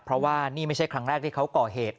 เพราะว่านี่ไม่ใช่ครั้งแรกที่เขาก่อเหตุ